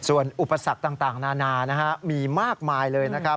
ส่วนอุปสรรคต่างนานามีมากมายเลยนะครับ